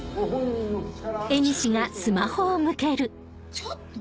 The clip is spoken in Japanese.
ちょっと！